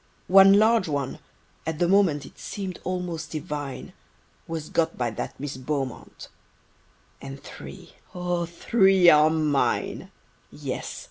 One large one—at the moment It seem'd almost divine— Was got by that Miss Beaumont: And three, O three, are mine! Yes!